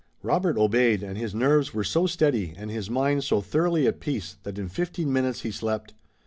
Robert obeyed and his nerves were so steady and his mind so thoroughly at peace that in fifteen minutes he slept.